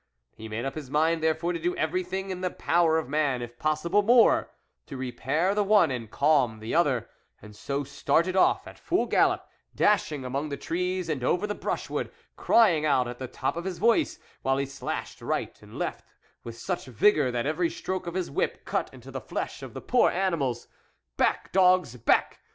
He made up his mind therefore to do every hing in the power of man, if possible more, to repair the one and calm the other, and so started off at full gallop, dashing among the trees and over the Drushwood, crying out at the top of his voice, while he slashed right and left with such vigour, that every stroke of his whip cut into the flesh of the poor animals. Back, dogs ! back